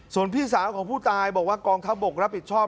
ส่วนพี่สาวของผู้ตายบอกว่ากองทัพบกรับผิดชอบ